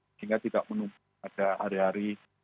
sehingga tidak menumpuk pada hari hari